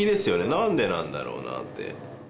なんでなんだろうなって。